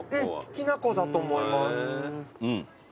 きなこだと思います。